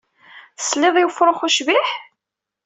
Tesliḍ i wefrux ucbiḥ?